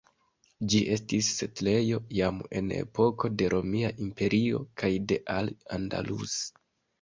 Ĝi estis setlejo jam en epoko de Romia Imperio kaj de Al-Andalus.